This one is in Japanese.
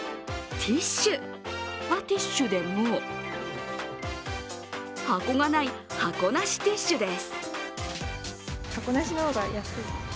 ティッシュはティッシュでも箱がない、箱なしティッシュです。